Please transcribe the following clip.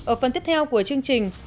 ở phần tiếp theo của chương trình